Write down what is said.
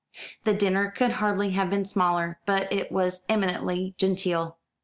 The dinner could hardly have been smaller, but it was eminently genteel.